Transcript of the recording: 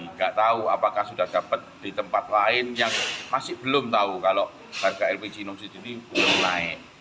tidak tahu apakah sudah dapat di tempat lain yang masih belum tahu kalau harga lpg non subsidi ini belum naik